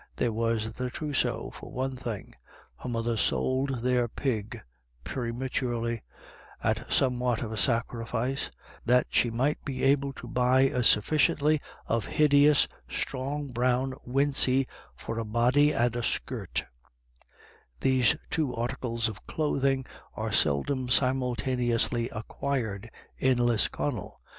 There was the trousseau, for one thing. Her mother sold their pig prematurely, at some what of a sacrifice, that she might be able to buy a sufficiency of hideous strong brown wincey for a body and a skirt These two articles of clothing are seldom simultaneously acquired in Lisconnel.